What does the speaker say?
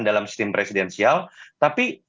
dalam sistem presidensial tapi